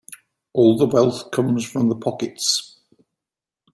All the wealth comes from the pockets.